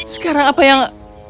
sekarang apa yang